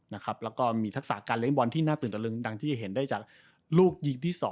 และมีทักษะการเล่มบอลน่าตื่นตะลึงที่จะเห็นได้จากลูกยิงที่๒